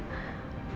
mama tahu sa